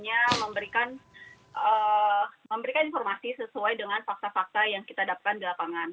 kita sebenarnya sebagai media tentu saja hanya memberikan informasi sesuai dengan fakta fakta yang kita dapatkan di lapangan